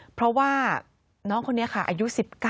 เพราะว่าน้องคนนี้ค่ะอายุ๑๙